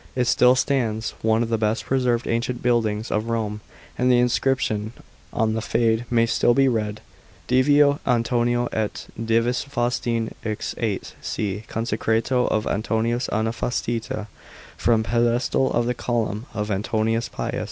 It still stands, one of the best preserved ancient buildings of Rome, and the inscription on the fa9ade may still be read. DIVO ANTON INO ET DIV.S FAVSTIN^E EX. 8. C. Consecratio of Antoninus ana Faustina (from pedestal of the column of Antoninus Pius).